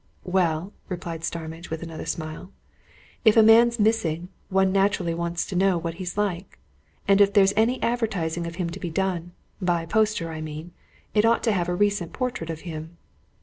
"Well," replied Starmidge, with another smile, "if a man's missing, one naturally wants to know what he's like. And if there's any advertising of him to be done by poster, I mean it ought to have a recent portrait of him."